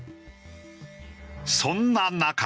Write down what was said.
そんな中。